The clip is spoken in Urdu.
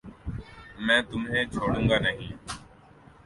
میں تمہیں چھوڑوں گانہیں